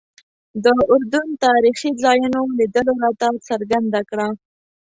د اردن تاریخي ځایونو لیدلو راته څرګنده کړه.